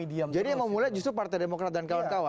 diam diam jadi yang mau mulai justru partai demokrat dan kawan kawan